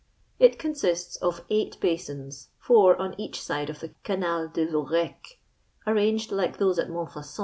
It con sists of eight basins, four on each side* of the Canal de I'Ourcq, arranged like those at Mont faucon.